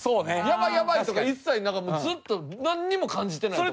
やばいやばい！とか一切なくずっとなんにも感じてない。